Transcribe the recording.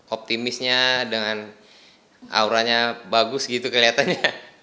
optimisnya dengan auranya bagus gitu kelihatannya